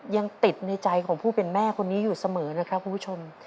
ยังติดในใจของผู้เป็นแม่คนนี้อยู่เสมอนะครับคุณผู้ชม